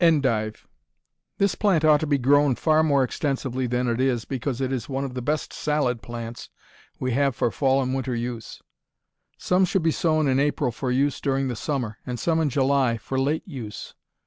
Endive This plant ought to be grown far more extensively than it is because it is one of the best salad plants we have for fall and winter use. Some should be sown in April for use during the summer, and some in July, for late use.